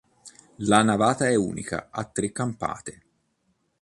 La navata è unica a tre campate.